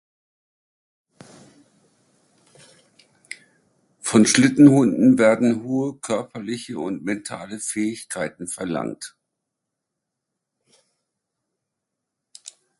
Von Schlittenhunden werden hohe körperliche und mentale Fähigkeiten verlangt.